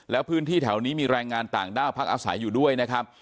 แล้วพื้นที่แถวนี้มีแรงงานต่างด้าวพักอาศัยอยู่ด้วยนะครับ